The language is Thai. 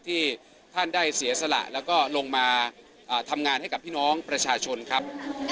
ที่ท่านได้เสียสละแล้วก็ลงมาทำงานให้กับพี่น้องประชาชนครับ